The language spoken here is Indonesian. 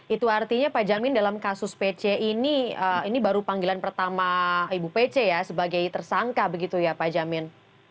itu artinya pak jamin dalam kasus pc ini baru panggilan pertama ibu pc ya sebagai tersangka begitu ya pak jamin